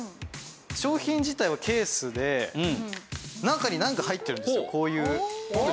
商品自体はケースで中になんか入ってるんですよこういう。